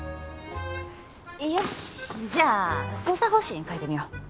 よしじゃあ捜査方針変えてみよう。